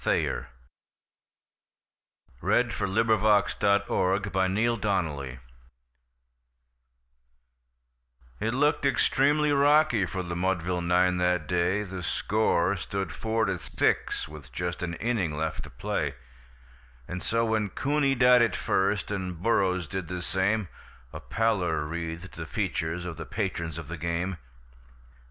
CASEY AT THE BAT BY ERNEST LAWRENCE THAYER It looked extremely rocky for the Mudville nine that day: The score stood four to six with just an inning left to play; And so, when Cooney died at first, and Burrows did the same, A pallor wreathed the features of the patrons of the game.